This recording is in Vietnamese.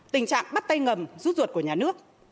tình trạng bắt tay ngầm rút ruột của nhà nước